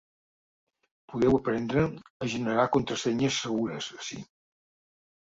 Podeu aprendre a generar contrasenyes segures ací.